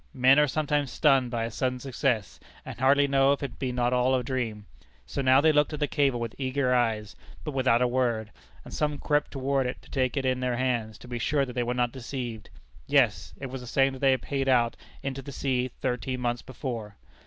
Men are sometimes stunned by a sudden success, and hardly know if it be not all a dream. So now they looked at the cable with eager eyes, but without a word, and some crept toward it to take it in their hands, to be sure that they were not deceived. Yes it was the same that they paid out into the sea thirteen months before!